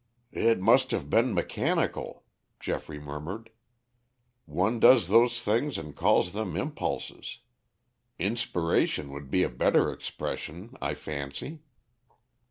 "It must have been mechanical," Geoffrey murmured. "One does those things and calls them impulses. Inspiration would be a better expression, I fancy."